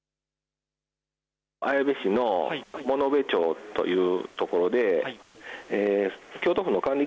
綾部市の物部町というところで京都府の管理